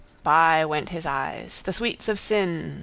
By went his eyes. The sweets of sin.